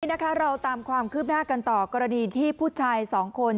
นะคะเราตามความคืบหน้ากันต่อกรณีที่ผู้ชายสองคน